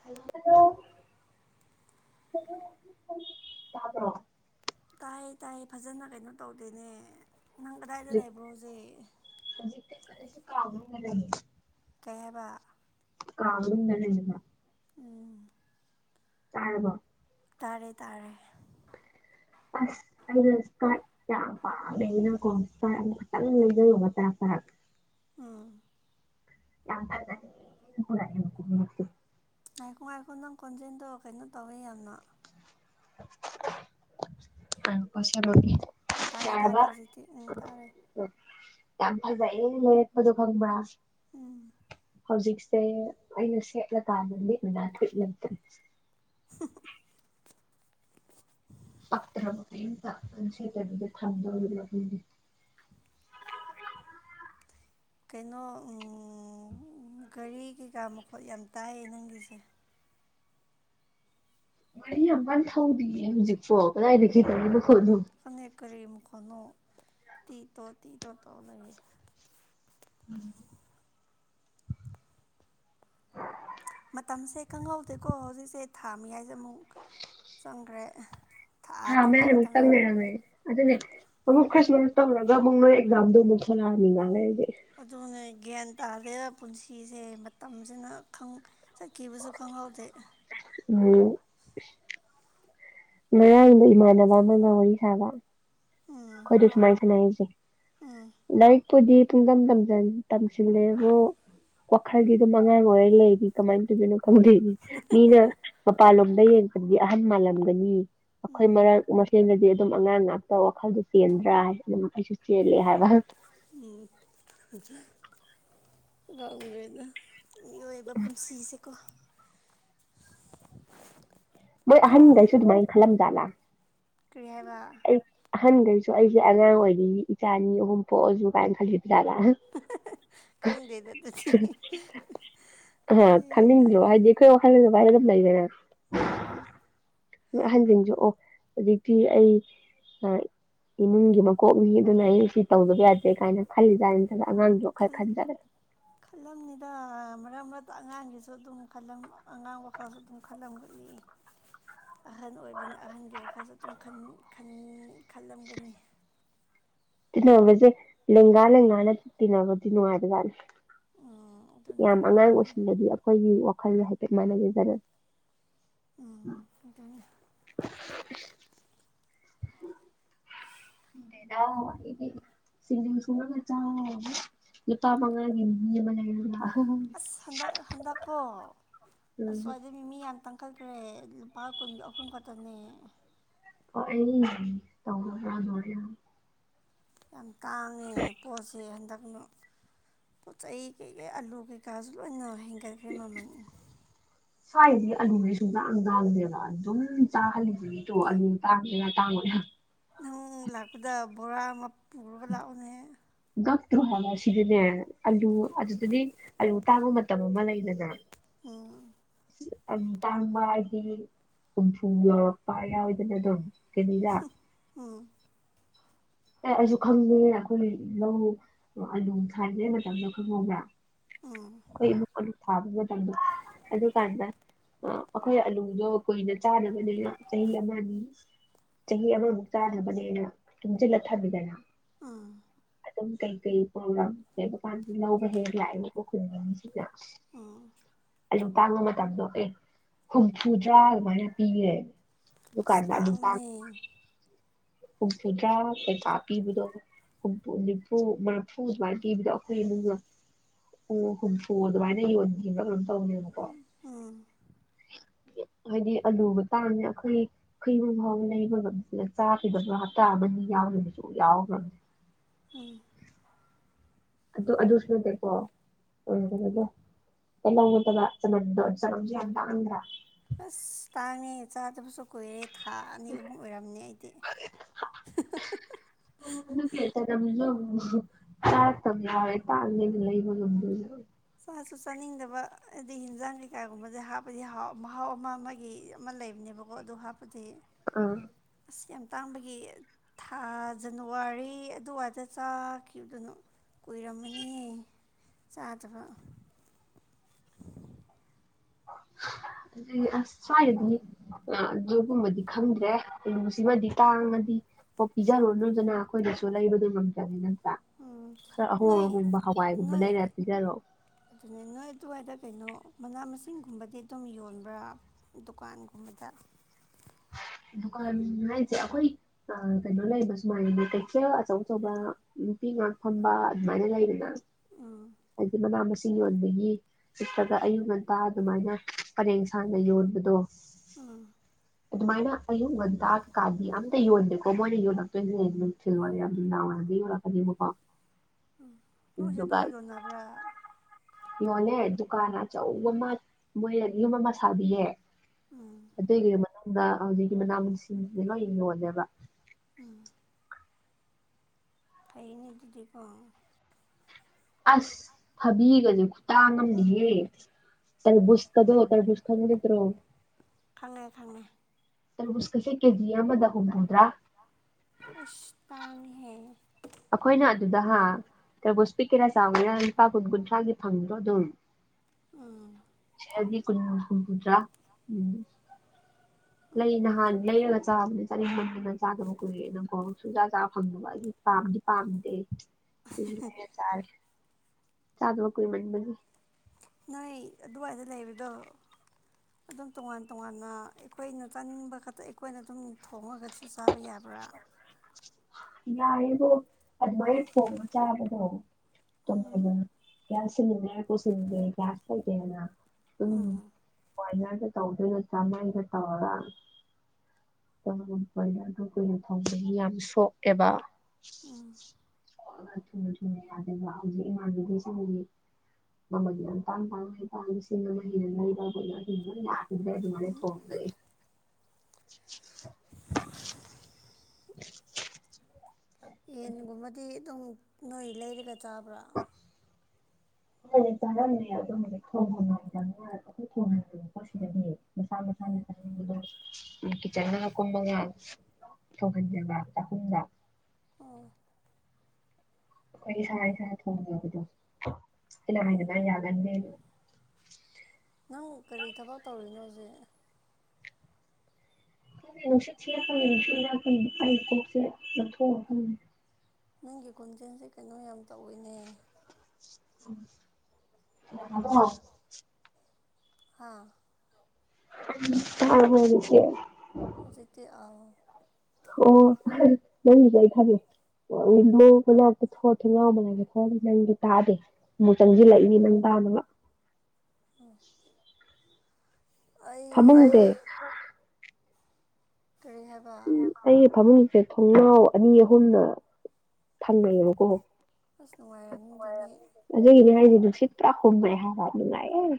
hello ꯇꯥꯕ꯭ꯔꯣ ꯇꯥꯏ ꯇꯥꯏ ꯐꯖꯅ ꯀꯩꯅꯣ ꯇꯧꯗꯦꯅꯦ ꯅꯪ ꯀꯗꯥꯏꯗ ꯍꯧꯖꯤꯛ ꯂꯩꯕ꯭ꯔꯣꯅꯦ ꯍꯧꯖꯤꯛꯇꯤ ꯀꯔꯤꯁꯨ ꯀꯥ ꯃꯅꯨꯡꯗ ꯂꯩꯌꯦ ꯀꯩ ꯍꯥꯏꯕ ꯀꯥ ꯃꯅꯨꯡꯗ ꯂꯩꯌꯦꯕ ꯇꯥꯔꯕꯣ ꯇꯥꯔꯦ ꯇꯥꯔꯦ ꯑꯁ ꯑꯩꯗꯣ ꯁ꯭ꯀꯔꯠ ꯌꯥꯝ ꯄꯥꯝꯃꯦꯅꯀꯣ ꯁ꯭ꯀꯔꯠ ꯑꯃꯈꯛꯇꯪ ꯂꯩꯖꯔꯨꯕ ꯇꯔꯛ ꯇꯔꯛ ꯎꯝ ꯌꯥꯝ [unintelligible] ꯉꯥꯏꯈꯣ ꯉꯥꯏꯈꯣ ꯅꯪ ꯈꯣꯟꯖꯦꯜꯗꯣ ꯀꯩꯅꯣ ꯇꯧꯋꯦ ꯌꯥꯝꯅ ꯉꯥꯏꯈꯣꯀꯣ ꯁꯦꯝꯃꯛꯀꯦ ꯇꯥꯔꯦ ꯇꯥꯔꯦ ꯌꯥꯔꯕ ꯍꯧꯖꯤꯛꯇꯤ ꯎꯝ ꯇꯥꯔꯦ ꯌꯥꯝ ꯐꯖꯩꯌꯦꯅ ꯂꯩꯔꯛꯄꯗꯨ ꯈꯪꯕ꯭ꯔ ꯎꯝ ꯍꯧꯖꯤꯛꯁꯦ ꯑꯩꯅ ꯁꯦꯠꯂꯀꯥꯟꯗꯗꯤ [unintelligible] ꯂꯩꯇ꯭ꯔꯦ ꯄꯛꯇ꯭ꯔꯕ ꯀꯩꯝꯇ ꯑꯗꯨꯝ ꯁꯦꯠꯇꯕꯤꯗ ꯊꯝꯗꯣꯔꯕ ꯑꯗꯨꯒꯤ ꯀꯩꯅꯣ ꯎꯝ ꯒꯥꯔꯤ ꯀꯩꯀꯥ ꯃꯈꯣꯜ ꯌꯥꯝ ꯇꯥꯏꯌꯦ ꯅꯪꯒꯤꯁꯦ ꯒꯥꯔꯤ ꯌꯥꯝ ꯀꯟꯅ ꯊꯧꯗꯤꯌꯦ ꯍꯧꯖꯤꯛꯄꯣ ꯀꯗꯥꯏꯗꯒꯤ ꯒꯥꯔꯤ ꯃꯈꯣꯜꯅꯣ ꯈꯪꯗꯦ ꯀꯔꯤ ꯃꯈꯣꯟꯅꯣ ꯇꯤ ꯇꯣ ꯇꯤ ꯇꯣ ꯇꯧ ꯂꯩꯌꯦ ꯎꯝ ꯃꯇꯝꯁꯦ ꯈꯪꯍꯧꯗꯦꯀꯣ ꯍꯧꯖꯤꯛꯁꯦ ꯊꯥ ꯃꯌꯥꯏꯗ ꯑꯃꯨꯛ ꯆꯪꯈ꯭ꯔꯦ ꯊꯥ ꯇꯪꯈꯥꯏꯈꯛꯇ ꯃꯌꯥꯃꯨꯛꯇꯪ ꯉꯥꯏꯔꯦ ꯂꯩꯔꯝꯃꯦ ꯑꯗꯨꯅꯦ ꯑꯃꯨꯛ ꯈꯁꯃꯛ ꯇꯧꯔꯒ ꯑꯃꯨꯛ ꯅꯣꯏ ꯑꯦꯛꯖꯥꯝꯗꯣ ꯑꯃꯨꯛ ꯊꯣꯛꯂꯛꯑꯃꯤꯅ ꯂꯩꯗꯤ [unintelligible] ꯑꯗꯨꯅ ꯒ꯭ꯌꯥꯟ ꯇꯥꯗꯦꯗ ꯄꯨꯟꯁꯤꯁꯦ ꯃꯇꯝꯁꯤꯅ ꯈꯪ ꯆꯠꯈꯤꯕꯁꯨ ꯈꯪꯍꯧꯗꯦ ꯎꯝ ꯉꯔꯥꯡꯗꯣ ꯏꯃꯥꯟꯅꯕ ꯑꯃꯒ ꯋꯥꯔꯤ ꯁꯥꯕ ꯎꯝ ꯑꯈꯣꯏꯁꯨ ꯁꯨꯃꯥꯏ ꯁꯥꯟꯅꯔꯤꯁꯦ ꯎꯝ ꯂꯥꯏꯔꯤꯛꯄꯨꯗꯤ ꯄꯨꯡꯇꯝ ꯇꯝꯖꯟ ꯇꯝꯁꯤꯜꯂꯦꯕꯨ ꯋꯥꯈꯜꯗꯤ ꯑꯗꯨꯝ ꯑꯉꯥꯡ ꯑꯣꯏꯔ ꯂꯩꯔꯤ ꯀꯃꯥꯏꯅ ꯇꯧꯗꯣꯏꯅꯣ ꯈꯪꯗꯦ ꯃꯤꯅ ꯃꯄꯥꯟꯂꯣꯝꯗ ꯌꯦꯡꯕꯗꯗꯤ ꯑꯍꯟ ꯃꯥꯜꯂꯝꯒꯅꯤ ꯑꯩꯈꯣꯏ ꯃꯔꯛ ꯃꯁꯦꯜꯗꯗꯤ ꯑꯗꯨꯝ ꯑꯉꯥꯡ ꯉꯥꯛꯇ ꯋꯥꯈꯜꯗꯨ ꯆꯦꯟꯗ꯭ꯔ ꯍꯥꯏꯔꯁꯨ ꯑꯗꯨꯝ ꯑꯩꯁꯨ ꯆꯦꯜꯂꯤ ꯍꯥꯏꯕ ꯎꯝ ꯈꯪꯗꯔꯦꯗ ꯃꯤꯑꯣꯏꯕ ꯄꯨꯟꯁꯤꯁꯦꯀꯣ ꯃꯣꯏ ꯑꯍꯟꯈꯩꯁꯨ ꯑꯗꯨꯝ ꯑꯗꯨꯃꯥꯏꯅ ꯈꯜꯂꯝꯖꯥꯠꯂ ꯀꯔꯤ ꯍꯥꯏꯕ ꯑꯍꯟꯈꯩꯁꯨ ꯑꯩꯁꯦ ꯑꯉꯥꯡ ꯑꯣꯏꯔꯤ ꯏꯆꯥ ꯑꯅꯤ ꯑꯍꯨꯝ ꯄꯣꯛꯑꯁꯨ ꯀꯥꯏꯅ ꯈꯜꯂꯤꯖꯥꯠꯂ ꯍꯥꯍꯥ ꯍꯝ [inaudible] ꯑ ꯈꯪꯅꯤꯡꯗꯔꯣ ꯍꯥꯏꯗꯤ ꯑꯈꯣꯏ ꯋꯥꯈꯜꯗꯗꯤ ꯑꯗꯨꯃꯥꯏ ꯑꯗꯨꯝ ꯂꯩꯗꯅ ꯑꯝ ꯑꯍꯟꯁꯤꯡꯁꯨ ꯑꯣ ꯍꯧꯖꯤꯛꯇꯤ ꯑꯩ ꯏꯃꯨꯡꯒꯤ ꯃꯀꯣꯛꯅꯤ ꯑꯗꯨꯅ ꯑꯩ ꯁꯤ ꯇꯧꯗꯕ ꯌꯥꯗꯦ ꯀꯥꯏꯅ ꯈꯜꯂꯤꯖꯥꯠꯂ ꯅꯠꯇ꯭ꯔꯒ ꯑꯉꯥꯡꯒꯤ ꯋꯥꯈꯜ ꯈꯟꯖꯥꯠꯂ ꯈꯜꯂꯝꯅꯤꯗ ꯃꯔꯛ ꯃꯔꯛꯇ ꯑꯉꯥꯡꯒꯤꯁꯨ ꯑꯗꯨꯝ ꯈꯜꯂꯝ ꯑꯉꯥꯡ ꯋꯥꯈꯜꯁꯨ ꯑꯗꯨꯝ ꯈꯜꯂꯝꯒꯅꯤ ꯑꯍꯟ ꯑꯣꯏꯕꯅꯤꯅ ꯑꯍꯟꯒꯤ ꯋꯥꯈꯜꯁꯨ ꯑꯗꯨꯝ ꯈꯜꯂꯝꯒꯅꯤ ꯇꯤꯟꯅꯕꯖꯦ ꯂꯦꯡꯒꯥ ꯂꯦꯡꯒꯥꯅ ꯇꯤꯟꯅꯕꯖꯦ ꯅꯨꯡꯉꯥꯏꯕꯖꯥꯠꯅꯤ ꯎꯝ ꯑꯗꯨꯅꯗꯤ ꯌꯥꯝ ꯑꯉꯥꯡ ꯅꯨꯡꯉꯥꯏꯅꯤ ꯑꯣꯏꯁꯤꯜꯂꯗꯤ ꯑꯩꯈꯣꯏꯒꯤ ꯋꯥꯈꯜ ꯍꯥꯏꯐꯦꯠ ꯃꯥꯟꯅꯩꯗꯅ [unintelligible] ꯎꯝ ꯑꯗꯨꯅꯤ [inaudible] [unintelligible] ꯑꯁ ꯍꯟꯗꯛ ꯍꯟꯗꯛꯀꯣ ꯑꯁ꯭ꯋꯥꯏꯗꯤ ꯃꯤꯃꯤ ꯌꯥꯝ ꯇꯥꯡꯈꯠꯈ꯭ꯔꯦ ꯂꯨꯄꯥ ꯀꯨꯟꯒꯤ ꯑꯍꯨꯝ ꯈꯛꯇꯅꯦ [inaudible] [unintelligible] ꯌꯥꯝ ꯇꯥꯡꯉꯦ ꯄꯣꯠꯁꯦ ꯍꯟꯗꯛ ꯄꯣꯠ ꯆꯩꯩ ꯀꯩꯀꯥ ꯑꯂꯨ ꯀꯩꯀꯥꯁꯨ ꯂꯣꯏꯅ ꯍꯦꯟꯒꯠꯈ꯭ꯔꯦ ꯃꯃꯜ ꯁ꯭ꯋꯥꯏꯗꯤ ꯑꯂꯨꯗꯩ ꯁꯨꯡꯇꯥꯡ ꯇꯥꯡꯗꯦꯕ ꯑꯗꯨꯝ ꯆꯥꯍꯜꯂꯤꯕꯒꯤꯗꯣ ꯑꯂꯨ ꯇꯥꯡꯕꯗꯒ ꯇꯥꯡꯕꯅꯦ ꯅꯪ ꯂꯥꯛꯄꯗ ꯕꯣꯔꯥ ꯑꯃꯥ ꯄꯨꯔꯒ ꯂꯥꯛꯑꯣꯅꯦ ꯒꯛꯇ꯭ꯔ‌ꯣ ꯍꯥꯏꯕ ꯁꯤꯗꯤꯅꯦ ꯑꯂꯨ ꯑꯗꯨꯗꯗꯤ ꯑꯂꯨ ꯇꯥꯕ ꯃꯇꯝ ꯑꯃ ꯂꯩꯗꯅ ꯎꯝ ꯇꯥꯡꯕ ꯍꯥꯏꯗꯤ ꯍꯨꯝꯐꯨ ꯌꯧꯔꯛꯄ ꯌꯥꯎꯋꯤꯗꯅ ꯑꯗꯨꯝ ꯀꯩꯅꯗ [unintelligible] ꯑꯦ ꯑꯩꯁꯨ ꯈꯪꯗꯦ ꯑꯩꯈꯣꯏꯒꯤ ꯂꯧ ꯑꯥꯂꯨ ꯊꯥꯏꯉꯩ ꯃꯇꯝꯗꯣ ꯈꯪꯍꯧꯕ꯭ꯔꯥ ꯎꯝ ꯑꯩꯈꯣꯏ ꯏꯃꯨꯡ ꯑꯗꯨ ꯊꯥꯕ ꯃꯇꯝꯗ ꯑꯗꯨꯀꯥꯟꯗ ꯑ ꯑꯈꯣꯏ ꯑꯂꯨꯗꯣ ꯀꯨꯏꯅ ꯆꯥꯅꯕꯅꯤꯅ ꯆꯍꯤ ꯑꯃꯅꯤ ꯆꯍꯤ ꯑꯃꯃꯨꯛ ꯆꯥꯅꯕꯅꯦ ꯇꯨꯡꯖꯤꯜꯂ ꯊꯝꯃꯤꯗꯅ ꯎꯝ ꯑꯗꯨꯝ ꯀꯩꯀꯩ ꯄ꯭ꯔꯣꯒꯝ ꯂꯩꯕ ꯀꯥꯟꯗ ꯂꯧꯕ ꯍꯦꯛ ꯍꯦꯛ ꯂꯥꯛꯑꯦꯕꯀꯣ ꯈꯨꯡꯒꯪꯁꯤꯗ [inaudible] ꯑꯂꯨ ꯇꯥꯡꯕ ꯃꯇꯝꯗꯣ ꯑꯦ ꯍꯨꯝꯐꯨꯗ꯭ꯔꯥ ꯑꯗꯨꯃꯥꯏꯅ ꯄꯤꯌꯦ ꯏꯁ ꯗꯨꯀꯥꯟꯗ ꯇꯥꯡꯕꯅꯦ ꯎꯨꯝꯐꯨꯗ꯭ꯔꯥ ꯄꯩꯁꯥ ꯄꯤꯕꯗꯣ ꯍꯨꯝꯐꯨ ꯅꯤꯐꯨ ꯃꯥꯔꯐꯨ ꯑꯗꯨꯃꯥꯏꯅ ꯄꯤꯕꯗꯣ ꯑꯩꯈꯣꯏ ꯏꯃꯨꯡ ꯌꯣꯟ ꯎ ꯍꯨꯝꯐꯨ ꯑꯗꯨꯃꯥꯏꯅ ꯌꯣꯟꯈꯤꯕ꯭ꯔꯥ ꯀꯩꯅꯣꯝ ꯇꯧꯕꯅꯦꯕꯀꯣ [unintelligible] ꯍꯥꯏꯗꯤ ꯑꯂꯨ ꯇꯥꯡꯉꯦ ꯑꯈꯣꯏꯒꯤ ꯈꯣꯏ ꯌꯨꯝꯐꯥꯎꯕ ꯂꯩꯕ ꯉꯝꯗꯦꯅ ꯆꯥꯈꯤꯗꯕ ꯍꯞꯇꯥ ꯑꯃꯅꯤ ꯌꯥꯎꯒꯤꯕꯁꯨ ꯌꯥꯎꯈ꯭ꯔꯕꯅꯦ ꯎꯝ ꯑꯗꯨ ꯑꯗꯨꯁꯨ ꯅꯠꯇꯦꯀꯣ ꯎꯝ ꯀꯩꯅꯣꯗꯣ ꯇꯩꯜꯂꯧ ꯅꯠꯇꯕ ꯆꯅꯝꯗꯣ ꯆꯅꯝꯖꯨ ꯌꯥꯝ ꯇꯥꯡꯗꯥꯔ ꯑꯁ ꯇꯥꯡꯉꯦ ꯆꯥꯗꯕꯁꯨ ꯀꯨꯏꯔꯦ ꯊꯥ ꯑꯅꯤ ꯑꯍꯨꯝ ꯑꯣꯏꯔꯝꯅꯤ ꯑꯩꯗꯤ [unintelligible] [unintelligible] [unintelligible] ꯆꯥꯁꯨ ꯆꯥꯅꯤꯡꯗꯕ ꯍꯥꯏꯗꯤ ꯍꯤꯟꯖꯥꯡ ꯀꯩꯀꯥꯒꯨꯝꯕꯗ ꯍꯥꯞꯄꯗꯤꯥ ꯍꯥꯎ ꯃꯍꯥꯎ ꯑꯃ ꯑꯃꯒꯤ ꯑꯃ ꯂꯩꯕꯅꯦꯕ ꯋꯣ ꯑꯗꯨ ꯍꯥꯞꯄꯗꯤ ꯎꯝ ꯑꯁ ꯌꯥꯝ ꯇꯥꯡꯕꯒꯤ ꯊꯥ ꯖꯅꯋꯥꯔꯤ ꯑꯗꯨꯋꯥꯏꯗ ꯆꯥꯈꯤꯕꯗꯨꯅꯣ ꯀꯨꯏꯔꯝꯃꯅꯤꯌꯦ ꯆꯥꯗꯕ [inaudible] ꯑꯗꯨꯗꯤ ꯑꯁ ꯁ꯭ꯋꯥꯏꯗꯗꯤ ꯑ ꯑꯗꯨꯒꯨꯝꯕꯗꯤ ꯈꯪꯗ꯭ꯔꯦ ꯑꯂꯨꯁꯤꯃꯗꯤ ꯇꯥꯡꯉꯗꯤ ꯀꯣꯛ ꯄꯤꯖꯔꯣꯅꯨꯗꯅ ꯑꯩꯈꯣꯏꯗꯁꯨ ꯂꯩꯕꯗꯣ ꯉꯝꯗ꯭ꯔꯝꯅꯤ ꯅꯠꯇ꯭ꯔꯥ ꯎꯝ ꯈꯔ ꯑꯍꯣꯡ ꯅꯣꯏ ꯑꯍꯣꯡꯕ ꯍꯋꯥꯏꯒꯨꯝꯕ ꯅꯣꯏ ꯂꯩꯔ ꯄꯤꯖꯔꯣ ꯑꯗꯨꯅꯦ ꯅꯣꯏ ꯑꯗꯨꯋꯥꯏꯗ ꯀꯩꯅꯣ ꯃꯅꯥ ꯃꯁꯤꯡꯒꯨꯝꯕꯗꯤ ꯑꯗꯨꯝ ꯌꯣꯟꯕ꯭ꯔꯥ ꯗꯨꯀꯥꯟꯒꯨꯝꯕꯗ ꯗꯨꯀꯥꯟ ꯍꯥꯏꯖꯦ ꯑꯩꯈꯣꯏ ꯑ ꯀꯩꯅꯣ ꯂꯩꯕ ꯁꯨꯃꯥꯏꯅꯅꯦ ꯀꯩꯊꯦꯜ ꯑꯆꯧ ꯑꯆꯧꯕ ꯅꯨꯄꯤ ꯉꯥꯛ ꯐꯝꯕ ꯑꯗꯨꯃꯥꯏꯅ ꯂꯩꯗꯅ ꯎꯝ [inaudible] ꯍꯥꯏꯗꯤ ꯃꯅꯥ ꯃꯁꯤꯡ ꯌꯣꯟꯕꯒꯤ ꯆꯤꯄ꯭ꯔꯒ ꯑꯌꯨꯛ ꯉꯟꯇꯥ ꯑꯗꯨꯃꯥꯏꯅ ꯄꯔꯦꯡ ꯁꯥꯥꯡꯅ ꯌꯣꯟꯕꯗꯣ ꯎꯝ ꯑꯗꯨꯃꯥꯏꯅ ꯑꯌꯨꯛ ꯉꯟꯇꯥ ꯀꯥꯗꯤ ꯑꯝꯇ ꯌꯣꯟꯗꯦꯀꯣ ꯃꯣꯏꯅ ꯌꯣꯜꯂꯛꯇꯣꯏꯁꯦ ꯅꯨꯡꯊꯤꯜ ꯌꯥꯏꯔꯝ ꯅꯨꯡꯗꯥꯡ ꯋꯥꯏꯔꯝꯗ ꯌꯣꯜꯂꯛꯀꯅꯦꯕꯀꯣ ꯅꯣꯏꯖꯦ ꯑꯗꯨꯗꯨꯒ ꯑꯗꯨꯝ ꯌꯣꯟꯅꯕ꯭ꯔꯥ ꯌꯣꯜꯂꯦ ꯗꯨꯀꯥꯟ ꯑꯆꯧꯕ ꯑꯃ ꯃꯣꯏꯅ ꯌꯨꯝ ꯑꯃ ꯁꯥꯕꯤꯌꯦ ꯎꯝ ꯑꯗꯨꯏꯒꯤ ꯃꯅꯨꯡꯗ ꯍꯧꯖꯤꯛꯀꯤ ꯃꯅꯥ ꯃꯁꯤꯡꯁꯤ ꯂꯣꯏ ꯌꯣꯜꯂꯦꯕ ꯎꯝ ꯐꯩꯩꯅꯦ ꯑꯗꯨꯗꯤꯀꯣ ꯑꯁ ꯊꯥꯕꯤꯒꯖꯦ ꯈꯨꯇꯥꯡ ꯑꯝꯅꯤꯍꯦ ꯇꯔꯕꯨꯁꯀꯗꯣ ꯇꯔꯕꯨꯁ ꯈꯪꯕ ꯅꯠꯇ꯭ꯔꯣ ꯈꯪꯉꯦ ꯈꯪꯉꯦ ꯇꯔꯕꯨꯁ ꯀꯥꯖꯦ ꯀꯦꯖꯤ ꯑꯃꯗ ꯍꯨꯝꯍꯨꯝꯗ꯭ꯔꯥ ꯄꯁ ꯇꯥꯡꯉꯦꯍꯦ ꯑꯩꯈꯣꯏꯅ ꯑꯗꯨꯗ ꯍꯥ ꯇꯔꯕꯨꯁꯄꯤ ꯀꯦꯔ ꯆꯥꯎꯅꯄꯥꯒꯨꯟ ꯀꯨꯟ ꯊ꯭ꯔꯥꯒꯤ ꯐꯪꯗ꯭ꯔꯣ ꯑꯗꯨꯝ ꯑꯥ ꯆꯗꯤ ꯀ ꯀꯃꯗ꯭ꯔꯥ ꯎꯝ ꯎꯝ ꯂꯩ ꯅꯍꯥꯟ ꯂꯩꯔꯒ ꯆꯥꯕꯅꯦ ꯆꯅꯤꯡꯦꯡ ꯃꯟꯅ ꯆꯥꯗꯕ ꯀꯨꯏꯔꯦ ꯑꯗꯨꯅꯀꯣ ꯁꯨꯖꯥ ꯆꯥꯕ ꯐꯪꯗꯕ ꯑꯩ ꯄꯥꯝꯗꯤ ꯄꯥꯝꯗꯦ ꯆꯔꯦ [unintelligible] ꯆꯗꯕ ꯀꯨꯏꯃꯥꯟ ꯕꯩ ꯅꯣꯏ ꯑꯗꯨꯋꯥꯏꯗ ꯂꯩꯕꯗꯣ ꯑꯗꯨꯝ ꯇꯣꯉꯥꯟ ꯇꯣꯉꯥꯟꯅ ꯑꯩꯈꯣꯏꯅ ꯆꯥꯅꯤꯡꯕ ꯈꯛꯇ ꯑꯩꯈꯣꯏꯅ ꯑꯗꯨꯝ ꯊꯣꯡꯉꯒꯗꯤ ꯁꯨ ꯆꯥꯕ ꯌꯥꯕ꯭ꯔꯥ ꯌꯥ ꯑꯗꯣ ꯑꯗꯃꯥꯏꯅ ꯊꯣꯡꯉꯥꯒ ꯆꯕꯗꯣ ꯎꯝ ꯇꯉꯥꯏꯕ ꯒꯌꯥꯁ ꯁꯤꯂꯤꯟꯗꯔ ꯄꯨꯁꯤꯟꯗꯦ ꯒꯌꯥꯁ ꯂꯩꯇꯦꯅ ꯎꯝ [unintelligible] ꯃꯣꯏꯃꯗ ꯇꯧꯗꯣꯏꯅ ꯆꯥꯃꯦꯟꯒ ꯇꯧꯔꯒ ꯅ ꯑꯗꯨ ꯀꯨꯏꯅ ꯊꯣꯡꯕꯒꯤ ꯌꯥꯝ ꯁꯣꯛꯑꯦꯕ ꯊꯨꯅ ꯊꯨꯅ ꯌꯥꯗꯕ ꯍꯧꯖꯤꯛ ꯏꯃꯥꯟꯕꯤꯈꯁꯤꯗꯤ ꯃꯃꯜ ꯭ꯌꯥꯟ ꯇꯥꯡ ꯇꯥꯡꯉꯩ ꯇꯥꯡ ꯁꯤꯅ ꯍꯩꯅ ꯂꯩꯕ ꯑꯩꯅ ꯍ ꯌꯥꯈꯤꯗ꯭ꯔꯦ ꯑꯗꯨꯃꯥꯏꯅ ꯊꯣꯡꯕꯑꯦ [unintelligible] ꯌꯦꯟꯒꯨꯝꯕꯗꯤ ꯑꯗꯨꯝ ꯅꯣꯏ ꯂꯩꯔꯒ ꯆꯥꯕ꯭ꯔꯥ ꯁꯤꯗꯗꯤ ꯆꯥꯔꯝꯃꯦ ꯑꯗꯣ ꯍꯧꯖꯤꯛ ꯊꯣꯡꯉꯝꯃꯣꯏꯗꯕꯅꯤꯅ ꯑꯩꯈꯣꯏ ꯊꯣꯡ ꯉꯕ ꯄꯣꯠꯁꯤꯗꯗꯤ ꯃꯁꯥ ꯃꯁꯥꯅ ꯆꯥꯅꯤꯡꯕꯗꯣ ꯎꯝ ꯀꯤꯆꯟꯅ ꯀꯣꯡ [unintelligible] ꯊꯣꯡꯍꯟꯖꯕ ꯆꯥꯛꯈꯨꯝꯗ ꯑꯣ ꯑꯩꯈꯣꯏ ꯏꯁꯥ ꯏꯁꯥꯅ ꯊꯣꯡꯖꯕꯗꯣ ꯁꯤꯅ ꯍꯥꯏꯅꯉꯥꯏ ꯌꯥꯒꯟꯗꯦ ꯅꯪ ꯀꯔꯤ ꯊꯕꯛ ꯇꯧꯔꯤꯅꯣ ꯍꯧꯖꯤꯛ [unintelligible] ꯅꯪꯒꯤ ꯈꯣꯟꯖꯦꯜꯁꯦ ꯀꯩꯅꯣ ꯌꯥꯝ ꯇꯧꯋꯤꯅꯦ [unintelligible] ꯍꯥꯥ ꯇꯥꯔꯕꯣ ꯍꯧꯖꯤꯛꯇꯤ ꯍꯨꯖꯤꯛꯇꯤ ꯑꯥꯎ ꯑꯣ ꯅꯪꯒꯤꯖꯦ ꯑꯩ ꯈꯪꯉꯦ [unintelligible] ꯍꯣꯏ ꯅꯪꯗꯤ ꯇꯥꯗꯦ ꯑꯃꯨꯛ ꯆꯪꯖꯤꯜꯂꯛꯏꯅꯤ ꯅꯪ ꯇꯥꯅꯕ ꯑꯣ ꯑꯩ ꯍꯥ ꯐꯃꯨꯡꯁꯦ ꯀꯔꯤ ꯍꯥꯏꯕ ꯑꯩꯒꯤ ꯐꯃꯨꯡꯁꯦ ꯊꯣꯡꯅꯥꯎ ꯑꯅꯤ ꯑꯍꯨꯝꯅ ꯊꯪꯅꯩꯑꯕꯀꯣ ꯑꯁ ꯅꯨꯡꯉꯥꯏ ꯑꯗꯨꯒꯤꯗꯤ ꯍꯥꯏꯁꯦ ꯅꯨꯡꯁꯤꯠ ꯄꯨꯔꯥ ꯍꯨꯝꯃꯛꯑꯦ ꯍꯥꯏꯕ ꯅꯨꯡꯉꯥꯏꯌꯦ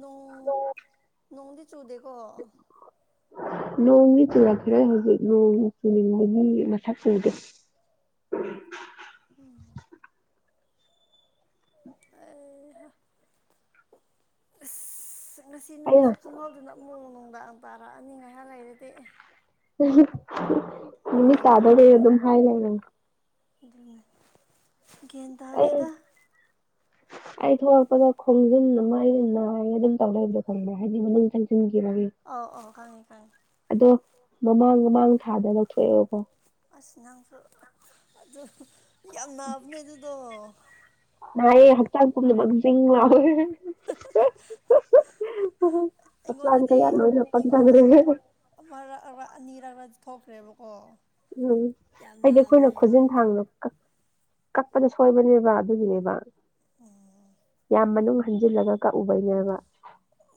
ꯅꯣꯡ ꯅꯣꯡꯗꯤ ꯆꯨꯗꯦꯀꯣ ꯅꯣꯡꯗꯤ ꯆꯨꯔꯛꯈꯤꯔꯣꯏ ꯍꯧꯖꯤꯛ ꯅꯣꯡ ꯆꯨꯅꯤꯡꯕꯒꯤ ꯃꯁꯛ ꯎꯗꯦ ꯎꯝ ꯑꯩ ꯍꯥ ꯑꯁ ꯉꯁꯤ ꯑꯩꯅ ꯅꯨꯃꯤꯠꯁꯦ ꯈꯪꯍꯧꯗꯅ ꯑꯃꯨꯛ ꯅꯨꯡꯗꯥꯡ ꯇꯥꯥꯔꯛꯑꯅꯤ ꯉꯥꯏꯍꯥꯛ ꯂꯩꯔꯗꯤ ꯅꯨꯃꯤꯠ ꯒ꯭ꯌꯥꯟ ꯇꯥꯗꯣꯔꯦ ꯇꯥꯗꯦꯗ ꯑꯗꯨꯝ ꯍꯥꯏꯗꯥꯏ ꯅꯪ [unintelligible] ꯒ꯭ꯌꯥꯟ ꯑꯩ ꯇꯥꯗꯦꯗ ꯑꯩ ꯊꯣꯛꯂꯛꯄꯗ ꯈꯣꯡꯖꯤꯟ ꯑꯃ ꯑꯩꯅ ꯅꯥꯏꯒ ꯑꯗꯨꯝ ꯇꯧ ꯂꯩꯕꯗꯣ ꯈꯪꯕ꯭ꯔꯥ ꯍꯥꯏꯗꯤ ꯃꯅꯨꯡ ꯆꯪꯁꯤꯟꯈꯤꯕꯒꯤ ꯑꯧ ꯑꯧ ꯈꯪꯉꯦ ꯈꯪꯉꯦ ꯑꯗꯣ ꯃꯃꯥꯡ ꯃꯃꯥꯡ ꯊꯥꯗ ꯂꯧꯊꯣꯛꯑꯦꯕꯀꯣ ꯑꯁ ꯅꯪꯁꯨ ꯑꯗꯣ ꯌꯥꯝ ꯅꯥꯕꯅꯦ ꯑꯗꯨꯗꯣ ꯅꯥꯏꯌꯦ ꯍꯛꯆꯥꯡ ꯄꯨꯝꯅꯃꯛ ꯆꯤꯡ ꯂꯥꯎꯋꯦ ꯍꯛꯆꯥꯡ ꯑꯩꯉꯣꯟꯗꯗꯤ ꯀꯩꯌꯥꯠ ꯂꯣꯏꯅ ꯄꯪꯊꯥꯈ꯭ꯔꯦ ꯑꯃꯔꯛ ꯑꯕ ꯑꯅꯤꯔꯛꯔ ꯊꯣꯛꯈ꯭ꯔꯦꯕꯀꯣ ꯎꯝ ꯌꯥꯝ ꯍꯥꯏꯗꯤ ꯑꯩꯈꯣꯏꯅ ꯅꯥꯕꯅꯦ ꯈꯨꯖꯤꯟ ꯊꯥꯡꯅ ꯀꯛ ꯀꯛꯄꯗ ꯁꯣꯏꯕꯅꯦꯕ ꯑꯗꯨꯒꯤꯅꯦꯕ ꯎꯝ ꯌꯥꯝ ꯃꯅꯨꯡ ꯍꯟꯖꯤꯜꯂꯒ ꯀꯛꯎꯕꯩꯅꯦꯕ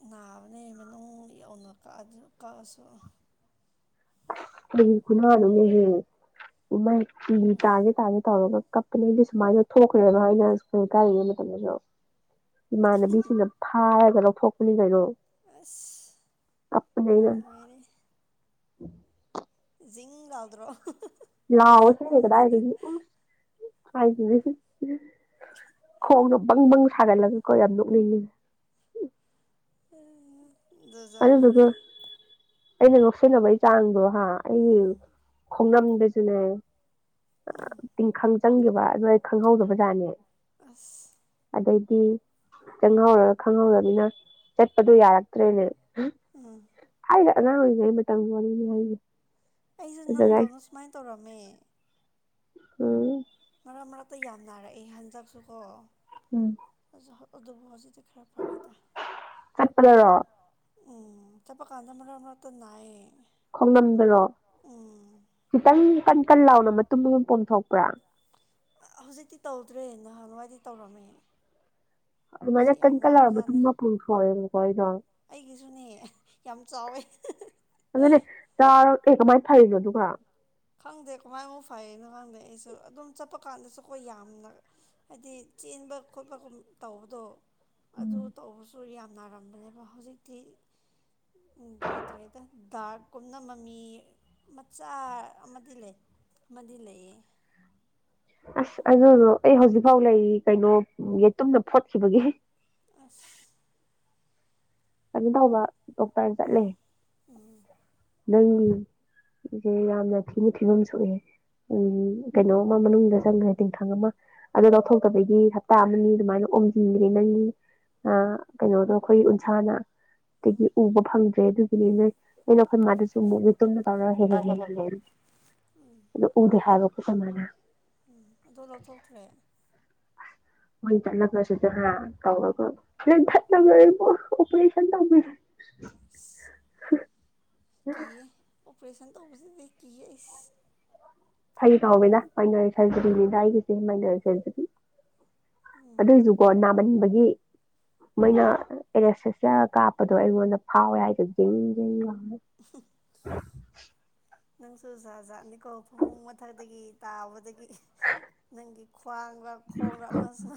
ꯅꯥꯕꯅꯦ ꯃꯅꯨꯡ ꯌꯧꯅ ꯀꯛꯑꯗꯤ ꯀꯛꯑꯁꯨ ꯀꯔꯤ ꯈꯨꯅꯥꯅꯣꯅꯦꯍꯦ ꯏꯃꯥꯏ ꯄꯤ ꯇꯥꯒꯦ ꯇꯥꯒꯦ ꯇꯧꯔꯒ ꯀꯞ ꯀꯅꯤ ꯑꯩꯗꯤ ꯁꯨꯃꯥꯏꯅ ꯊꯣꯛꯈꯔꯒ ꯑꯩꯅ ꯢꯁꯀ꯭ꯨꯜ ꯀꯥꯔꯤꯉꯩ ꯃꯇꯝꯗꯁꯨ ꯏꯃꯥꯟꯅꯕꯤꯁꯤꯡꯅ ꯐꯥꯔꯒ ꯂꯧꯊꯣꯛꯄꯅꯤ ꯀꯩꯅꯣ ꯑꯁ ꯀꯞꯄꯅꯦ ꯑꯩꯅ [unintelligible] ꯖꯤꯡ ꯂꯥꯎꯗ꯭ꯔꯣ ꯂꯥꯎꯋꯦꯍꯦ ꯀꯗꯥꯢꯗꯩ ꯎꯝ [unintelligible] ꯈꯣꯡꯗꯣ ꯕꯪ ꯕꯪ ꯁꯥꯒꯠꯂꯒꯀꯣ ꯌꯥꯝ ꯅꯣꯛꯅꯤꯡꯉꯤ ꯍꯩ ꯍꯥ ꯑꯗꯨꯗꯨꯒ ꯑꯩꯅ ꯅꯣꯛꯁꯤꯟꯅꯕꯩ ꯆꯥꯡꯗꯣ ꯍꯥ ꯑꯩꯒꯤ ꯎꯝ ꯈꯣꯡꯅꯝꯗꯁꯨꯅꯦ ꯎꯝ ꯇꯤꯡꯈꯪ ꯆꯪꯈꯤꯕ ꯑꯗꯨ ꯑꯩ ꯈꯪꯍꯧꯗꯕꯖꯥꯠꯅꯦ ꯑꯁ ꯑꯗꯩꯗꯤ ꯆꯪꯍꯧꯔꯒ ꯈꯪꯍꯧꯗꯔꯅꯤꯅ ꯆꯠꯄꯗꯣ ꯌꯥꯔꯛꯇ꯭ꯔꯦꯅꯦ ꯎꯝ ꯊꯥꯏꯅ ꯑꯉꯥꯡ ꯑꯣꯏꯔꯤꯉꯩ ꯃꯇꯝꯒꯤ ꯋꯥꯔꯤꯅꯤ ꯍꯥꯏꯅꯤ ꯑꯩꯁꯦ ꯅꯪꯗꯧꯅ ꯁꯨꯃꯥꯏꯅ ꯇꯧꯔꯝꯃꯦ ꯎꯝ ꯃꯔꯛ ꯃꯔꯛꯇ ꯌꯥꯝ ꯅꯥꯔꯛꯑꯦ ꯍꯟꯗꯛꯁꯨ ꯀꯣ ꯎꯝ ꯑꯗꯨꯕꯨ ꯍꯧꯖꯤꯛꯇꯤ ꯈꯔ ꯐꯔꯦꯗ ꯆꯠꯄꯗꯔꯣ ꯎꯝ ꯆꯠꯄ ꯀꯥꯟꯗ ꯃꯔꯛ ꯃꯔꯇ ꯅꯥꯏꯌꯦ ꯈꯣꯡꯅꯝꯗꯔꯣ ꯎꯝ ꯈꯤꯇꯪ ꯀꯟ ꯀꯟ ꯂꯥꯎꯅ ꯃꯇꯨꯝ ꯑꯃ ꯄꯣꯝ ꯊꯣꯛꯄ꯭ꯔꯥ ꯍꯧꯖꯤꯛꯇꯤ ꯇꯧꯗ꯭ꯔꯦ ꯅꯍꯥꯟꯋꯥꯥꯏꯗꯤ ꯇꯧꯔꯝꯃꯦ ꯁꯤ ꯑꯗꯨꯃꯥꯏꯅ ꯀꯟ ꯌꯥꯝ ꯀꯟ ꯂꯥꯎꯔ ꯃꯇꯨꯝ ꯅꯥꯕꯖꯥꯠꯅꯤ ꯑꯃ ꯄꯣꯝꯊꯣꯛꯑꯦꯕꯀꯣ ꯑꯩꯗꯣ ꯑꯩꯒꯤꯁꯨꯅꯦ ꯌꯥꯝ ꯆꯥꯎꯋꯦ ꯑꯗꯨꯗꯅꯦ ꯆꯥꯎꯔ ꯑꯦ ꯀꯃꯥꯏꯅ ꯐꯔꯤꯅꯣ ꯑꯗꯨꯒ ꯈꯪꯗꯦ ꯀꯃꯥꯏꯅ ꯐꯅꯣ ꯈꯪꯗꯦ ꯑꯩꯁꯨ ꯑꯗꯨꯝ ꯆꯠꯄ ꯀꯥꯟꯗꯁꯨ ꯀꯣꯏ ꯌꯥꯝꯅ ꯍꯥꯏꯗꯤ ꯆꯦꯟꯕ ꯈꯣꯠꯄꯒ ꯇꯧꯕꯗꯣ ꯑꯗꯨ ꯎꯝ ꯇꯧꯕꯁꯨ ꯌꯥꯝ ꯅꯥꯔꯝꯕꯅꯦꯕ ꯍꯧꯖꯤꯛꯇꯤ ꯂꯩꯇ꯭ꯔꯦꯗ ꯗꯥꯛꯀꯨꯝꯅ ꯃꯃꯤ ꯃꯆꯥ ꯑꯃꯗꯤ ꯂꯩ ꯑꯃꯗꯤ ꯂꯩꯌꯦ ꯑꯁ ꯑꯗꯨꯗ ꯑꯩ ꯍꯧꯖꯤꯛꯐꯥꯎ ꯂꯩꯔꯤ ꯀꯩꯅꯣ ꯌꯦꯇꯨꯝꯅ ꯐꯣꯠꯈꯤꯕꯒꯤ ꯑꯁ ꯀꯩꯅꯣ ꯇꯧꯕ ꯗꯣꯛꯇꯔ ꯆꯠꯂꯦ ꯎꯝ ꯅꯪ ꯒꯤꯁꯦ ꯌꯥꯝꯅ ꯊꯤꯅ ꯐꯤꯕꯝ ꯁꯣꯛꯑꯦ ꯎꯝ ꯀꯩꯅꯣꯝ ꯃꯅꯨꯡꯗ ꯆꯪꯈ꯭ꯔꯦ ꯇꯤꯡꯈꯥꯪ ꯑꯃ ꯑꯗꯣ ꯂꯧꯊꯣꯛꯇꯕꯒꯤ ꯍꯞꯇꯥ ꯑꯃꯅꯤ ꯑꯗꯨꯃꯥꯏꯅ ꯑꯣꯝꯁꯤꯟꯈ꯭ꯔꯦ ꯅꯪꯒꯤ ꯑ ꯀꯩꯅꯣꯗꯣ ꯑꯩꯈꯣꯏ ꯎꯟꯁꯥꯅ ꯗꯗꯒꯤ ꯎꯝ ꯎꯕ ꯐꯪꯗ꯭ꯔꯦ ꯑꯗꯨꯒꯤꯗꯤ ꯅꯣꯏ ꯑꯩꯅ ꯑꯩꯈꯣꯏ ꯃꯥꯗꯨꯁꯨ ꯃꯨꯛꯇꯤ ꯌꯦꯇꯨꯝꯅ ꯇꯧꯔ ꯍꯦꯛ ꯍꯦꯛ ꯌꯦꯡꯍꯜꯂꯦ ꯑꯗꯨ ꯎꯗꯦ ꯍꯥꯏꯕ ꯑꯩꯈꯣꯏ ꯃꯥꯅ ꯎꯝ ꯗꯂꯣ ꯇꯧ ꯐ꯭ꯔꯦ ꯍꯣꯏ ꯆꯂ ꯀꯁꯤꯗꯦ ꯍꯥ ꯀꯧꯒ ꯑꯣꯄꯁ ꯑꯁ ꯀꯤꯌꯦ ꯑꯣꯄꯔꯦꯁꯟ ꯇꯧꯕꯁꯤꯗꯤ ꯀꯤꯌꯦ ꯑꯩꯁ ꯐꯩ ꯀꯥꯎꯋꯅ ꯃꯥꯏꯅꯔꯤ ꯁꯖꯔꯤꯅꯤꯗ ꯑꯩꯒꯤꯁꯦ ꯃꯥꯏꯅꯔꯤ ꯁꯖꯔꯤ ꯎꯝ ꯑꯗꯨꯏꯁꯨ ꯀꯣ ꯅꯥꯃꯟꯕꯒꯤ ꯃꯣꯏꯅ ꯑꯦꯔꯦꯁꯁ ꯀꯥꯞꯄꯗꯣ ꯑꯩꯉꯣꯟꯗ ꯐꯥꯎꯋꯦ ꯍꯥꯏꯗꯣ ꯌꯦꯡ ꯌꯦ [inaudible] ꯅꯪꯁꯨꯖꯥ ꯖꯥꯠꯅꯤꯀꯣ ꯐꯃꯨꯡ ꯃꯊꯛꯗꯒꯤ ꯇꯥꯕꯗꯒꯤ ꯅꯪꯒꯤ ꯈ꯭ꯋꯥꯡꯔꯥ ꯈꯣꯡꯔ ꯑꯃꯁꯨ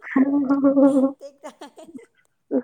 ꯍ ꯇꯦꯛ ꯇꯥꯏ